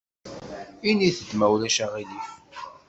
Init-d ma ulac aɣilif.